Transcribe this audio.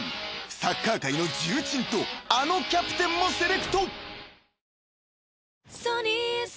［サッカー界の重鎮とあのキャプテンもセレクト］